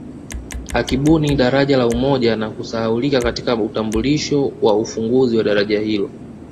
Akibuni daraja la Umoja na kusahaulika katika utambulisho wa ufunguzi ya daraja hilo